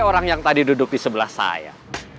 selamat datang kembali atau lompat